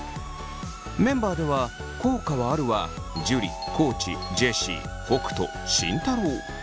メンバーでは「効果はある」は樹地ジェシー北斗慎太郎。